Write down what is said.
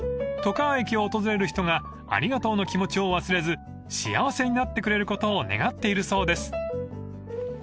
［外川駅を訪れる人がありがとうの気持ちを忘れず幸せになってくれることを願っているそうです］